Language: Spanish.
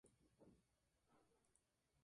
Esto es análogo a la tragedia de los comunes.